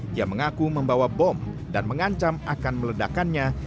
dia mengaku membawa bom dan mengancam akan meledakannya